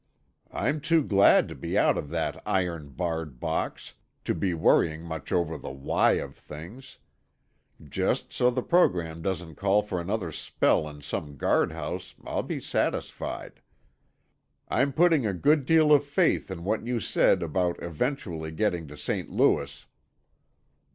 "I'm too glad to be out of that iron barred box, to be worrying much over the why of things. Just so the program doesn't call for another spell in some guardhouse, I'll be satisfied. I'm putting a good deal of faith in what you said about eventually getting to St. Louis."